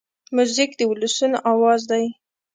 موزیک د ولسونو آواز دی.